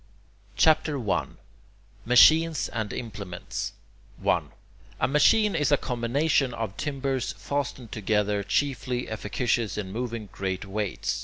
CHAPTER I MACHINES AND IMPLEMENTS 1. A machine is a combination of timbers fastened together, chiefly efficacious in moving great weights.